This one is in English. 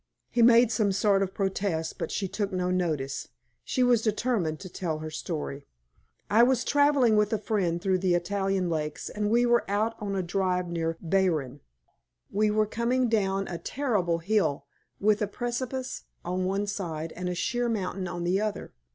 He made some sort of a protest, but she took no notice. She was determined to tell her story. "I was traveling with a friend through the Italian lakes, and we were out for a drive near Baeren. We were coming down a terrible hill, with a precipice on one side and the sheer mountain on the other.